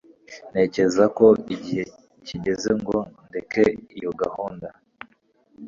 Ntekereza ko igihe kigeze ngo ndeke iyo gahunda.